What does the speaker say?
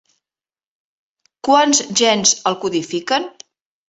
Quants gens el codifiquen?